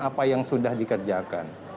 apa yang sudah dikerjakan